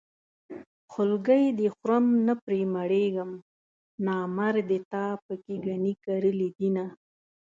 خولګۍ دې خورم نه پرې مړېږم نامردې تا پکې ګني کرلي دينه